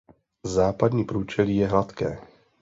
Západní průčelí je hladké.